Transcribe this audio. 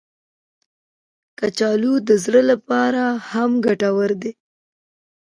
کچالو د زړه لپاره هم ګټور دي